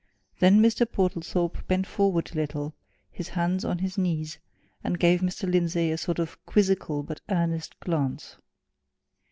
Then Mr. Portlethorpe bent forward a little, his hands on his knees, and gave Mr. Lindsey a sort of quizzical but earnest glance.